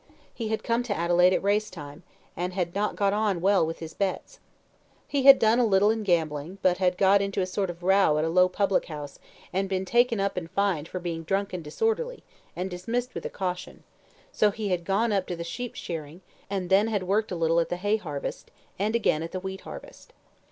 He had come to Adelaide at race time, and had not got on well with his bets. He had done a little in gambling, but had got into a sort of row at a low public house, and been taken up and fined for being drunk and disorderly, and dismissed with a caution; so he had gone up to the sheep shearing, and then had worked a little at the hay harvest, and again at the wheat harvest.